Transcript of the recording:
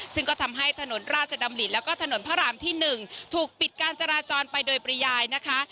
ซึ่งก็ทำให้ถนนราชดำริแล้วก็ถนนพระรามที่๑ถูกปิดการจราจรไปโดยปริยายนะคะ